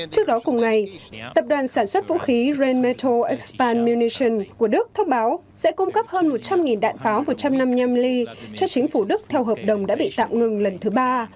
trước đó cùng ngày tập đoàn sản xuất vũ khí rheinmetall expand munitions của đức thông báo sẽ cung cấp hơn một trăm linh đạn pháo vừa trăm năm nhâm ly cho chính phủ đức theo hợp đồng đã bị tạm ngừng lần thứ ba